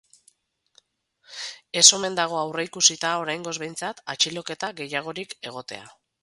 Ez omen dago aurreikusita, oraingoz behintzat, atxiloketa gehiagorik egotea.